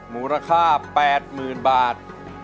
มูลค่า๘๐๐๐บาท